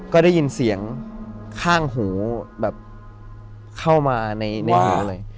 ก็ได้ยินเสียงข้างหูแบบเข้ามาในหูเลย